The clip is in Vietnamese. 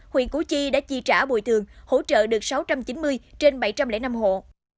huyện củ chi đã chi trả bồi thường hỗ trợ được sáu trăm chín mươi trên bảy trăm linh năm hộ